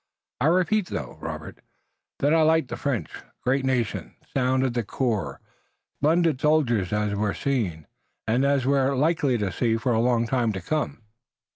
I repeat, though, Robert, that I like the French. A great nation, sound at the core, splendid soldiers as we're seeing, and as we're likely to see for a long time to come."